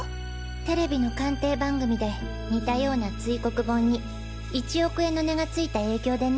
テレビの鑑定番組で似たような堆黒盆に１億円の値がついた影響でね。